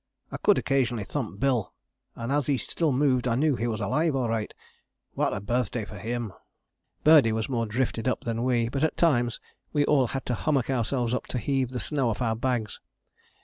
I could occasionally thump Bill, and as he still moved I knew he was alive all right what a birthday for him!" Birdie was more drifted up than we, but at times we all had to hummock ourselves up to heave the snow off our bags.